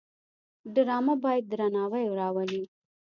ډرامه باید درناوی راولي